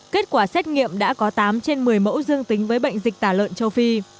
kết quả xét nghiệm đã có tám trên một mươi mẫu dương tính với bệnh dịch tả lợn châu phi